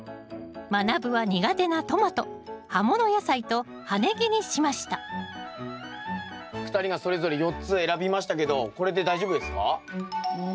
まなぶは苦手なトマト葉物野菜と葉ネギにしました２人がそれぞれ４つ選びましたけどこれで大丈夫ですか？